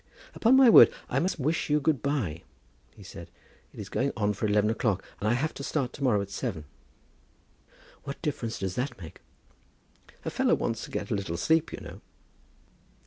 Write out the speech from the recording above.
"Upon my word I must wish you good by," he said. "It is going on for eleven o'clock, and I have to start to morrow at seven." "What difference does that make?" "A fellow wants to get a little sleep, you know."